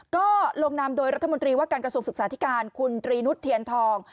ก็ลงนามโดยรัฐมนตรีว่าการกระทรวงศึกษาธิการคุณตรีนุษย์เทียนทอง